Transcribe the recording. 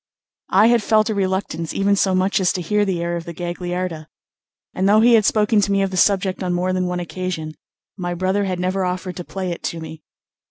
I had felt a reluctance even so much as to hear the air of the Gagliarda, and though he had spoken to me of the subject on more than one occasion, my brother had never offered to play it to me.